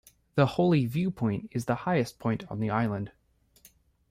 The Holy viewpoint is the highest point on the island.